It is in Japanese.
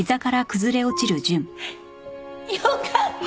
よかった。